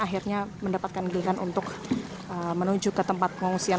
akhirnya mendapatkan giliran untuk menuju ke tempat pengungsian